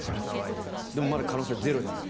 でもまだ可能性ゼロじゃない。